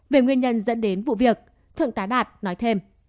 về nguyên nhân dẫn đến vụ việc thượng tá đạt nói thêm